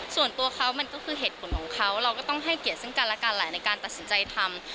ส่วนตัวเขามันก็คือเหตุผลของเขาเราก็ต้องให้เกียรติซึ่งกันและกันแหละในการตัดสินใจทำ